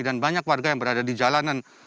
dan banyak warga yang berada di jalanan